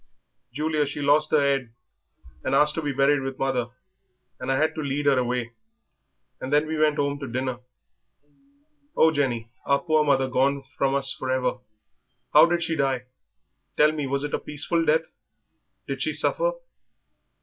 Julia, she lost her 'ead and asked to be buried with mother, and I had to lead her away; and then we went 'ome to dinner." "Oh, Jenny, our poor mother gone from us for ever! How did she die? Tell me, was it a peaceful death? Did she suffer?"